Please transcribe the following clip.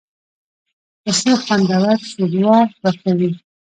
پسه خوندور شوروا ورکوي.